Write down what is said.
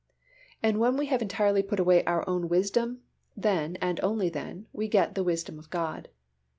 And when we have entirely put away our own wisdom, then, and only then, we get the wisdom of God.